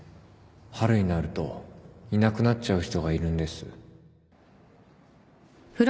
春になるといなくなっちゃう人がいるんです